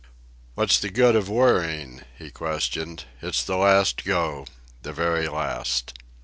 "What's the good of worrying?" he questioned. "It's the last go, the very last."